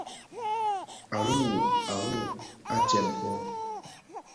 A wuwu, a wuwu, à tsem pong.